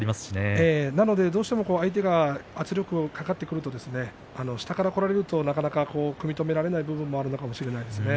どうしても相手が圧力がかかってくると下からこられるとなかなか組み止められない部分もあるかもしれませんね。